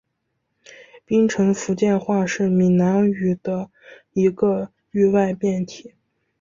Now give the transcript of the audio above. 槟城福建话是闽南语的一个域外变体。